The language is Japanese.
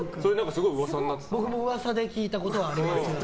僕もその噂は聞いたことはあります。